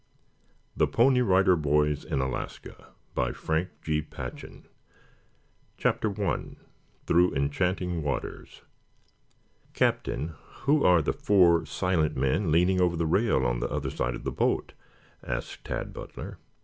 THE PONY RIDER BOYS IN ALASKA CHAPTER I THROUGH ENCHANTING WATERS "Captain, who are the four silent men leaning over the rail on the other side of the boat?" asked Tad Butler.